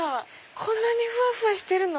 こんなにふわふわしてるの？